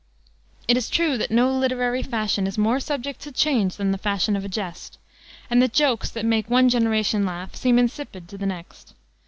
It is true that no literary fashion is more subject to change than the fashion of a jest, and that jokes that make one generation laugh seem insipid to the next.